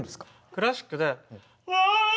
クラシックで。